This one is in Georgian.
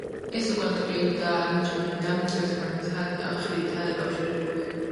ეს უკანასკნელი და ნჯამენა ერთმანეთთან ხიდითაა დაკავშირებული.